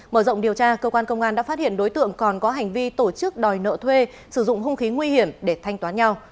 mở rộng điều tra cơ quan công an đã phát hiện đối tượng còn có hành vi tổ chức đòi nợ thuê sử dụng hung khí nguy hiểm để thanh toán nhau